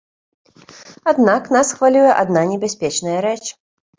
Аднак, нас хвалюе адна небяспечная рэч.